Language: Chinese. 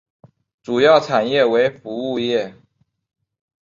主要产业为服务业。